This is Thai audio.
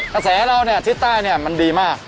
กระแสเราทิศใต้มันดีมาก